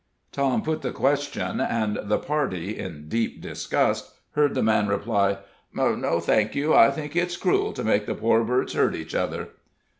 Tom put the question, and the party, in deep disgust, heard the man reply: "No, thank you; I think it's cruel to make the poor birds hurt each other."